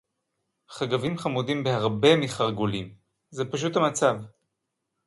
חגבים חמודים בהרבה מחרגולים. זה פשוט המצב.